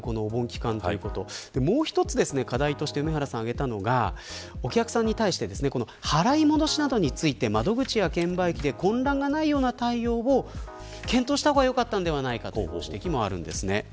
さらにもう一つ課題として梅原さんが上げたのが払い戻しについて窓口や券売機で混乱がないような対応を検討した方が良かったのではないかという指摘です。